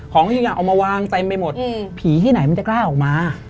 ของจริงเอามาวางเต็มไปหมดผีที่ไหนมันจะกล้าออกมา